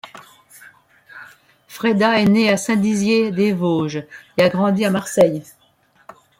Fredda est née à Saint-Dié-des-Vosges et a grandi à Marseille.